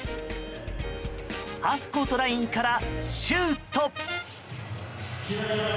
ハーフコートラインからシュート。